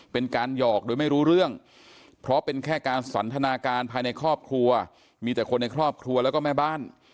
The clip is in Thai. เป็นการหยอกโดยไม่รู้เรื่องเพราะเป็นแค่การสันทนาการภายในครอบครัวมีแต่คนในครอบครัวแล้วก็แม่บ้าน